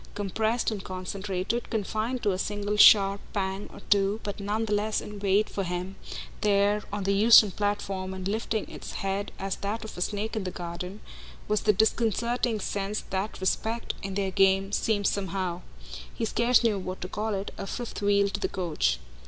Compressed and concentrated, confined to a single sharp pang or two, but none the less in wait for him there on the Euston platform and lifting its head as that of a snake in the garden, was the disconcerting sense that "respect," in their game, seemed somehow he scarce knew what to call it a fifth wheel to the coach.